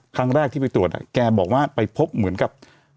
ครั้งแรกที่ไปตรวจแกบอกว่าไปพบเหมือนกับ